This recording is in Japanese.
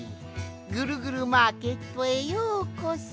ぐるぐるマーケットへようこそ。